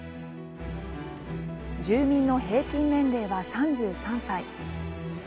住民の平均年齢は３３歳。